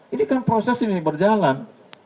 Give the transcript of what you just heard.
ini kan proses ini berjalan